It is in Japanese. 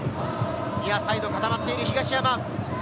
ニアサイド、固まっている東山。